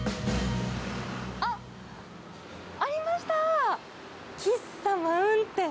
あっ、ありました。